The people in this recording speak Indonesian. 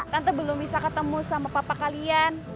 tante belum bisa ketemu sama papa kalian